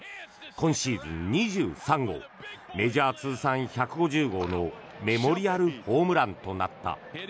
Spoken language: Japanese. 今シーズン２３号メジャー通算１５０号のメモリアルホームランとなった。